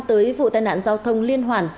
tới vụ tai nạn giao thông liên hoàn